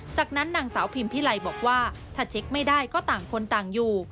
จากนั้นนางสาวพิมพิไลบอกว่าถ้าเช็คไม่ได้ก็ต่างคนต่างอยู่